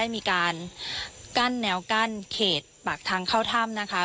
มีการกั้นแนวกั้นเขตปากทางเข้าถ้ำนะคะ